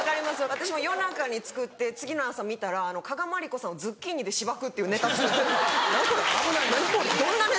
私も夜中に作って次の朝見たら加賀まりこさんをズッキーニでしばくっていうネタ作ってて「何これ何これ」。